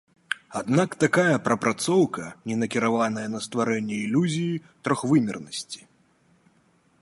Аднак такая прапрацоўка не накіраваная на стварэнне ілюзіі трохвымернасці.